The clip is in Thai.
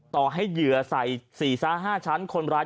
ต่อให้เหยื่อใส่๔๕ชั้นคนร้าย